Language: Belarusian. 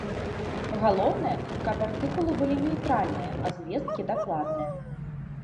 Галоўнае, каб артыкулы былі нейтральныя, а звесткі дакладныя.